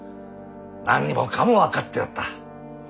何もかも分かっておった。